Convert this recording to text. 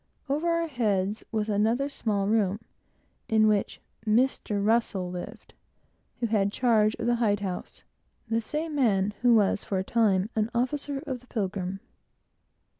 Over our head was another small room, in which Mr. Russell lived, who had charge of the hide house; the same man who was for a time an officer of the Pilgrim.